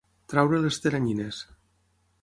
Treure les teranyines.